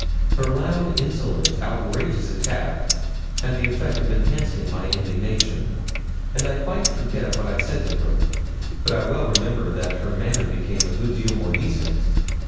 Her loud, insolent, outrageous attack had the effect of enhancing my indignation, and I quite forget what I said to her, but I well remember that her manner became a good deal more decent.